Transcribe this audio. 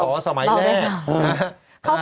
เป็นขอขอสมัยแรก